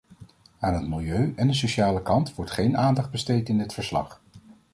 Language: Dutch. Aan het milieu en de sociale kant wordt geen aandacht besteed in dit verslag.